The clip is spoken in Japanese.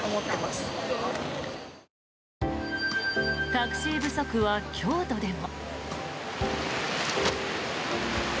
タクシー不足は京都でも。